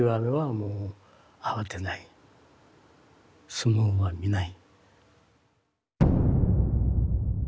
相撲は見ない。